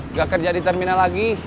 nggak kerja di terminal lagi